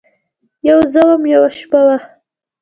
یوه زه وم ، یوه شپه وه